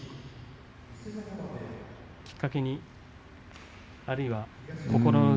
きっかけにあるいは心の内